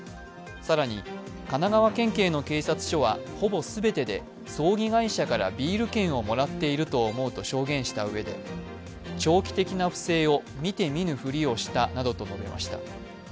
更に、神奈川県警の警察署はほぼ全てで葬儀会社からビール券をもらっていると証言したうえで長期的な不正を見て見ぬふりをしたなどと述べました。